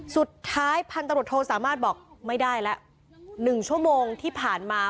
สุดท้ายพันตรวจโทสามารถบอกไม่ได้แล้ว๑ชั่วโมงที่ผ่านมา